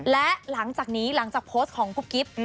และหลังจากนี้หลังจากโพสต์ของกุ๊บกิ๊บ